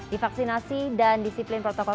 divaksinasi dan disiplin protokol